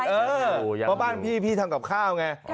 เพราะบ้านพี่พี่ทำกับข้าวไง